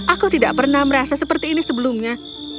aku tidak pernah merasa seperti ini sebelumnya